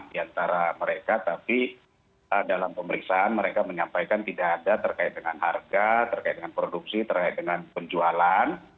di antara mereka tapi dalam pemeriksaan mereka menyampaikan tidak ada terkait dengan harga terkait dengan produksi terkait dengan penjualan